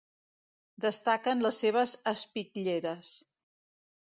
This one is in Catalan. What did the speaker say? Destaquen les seves espitlleres.